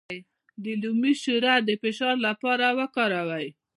د لیمو شیره د فشار لپاره وکاروئ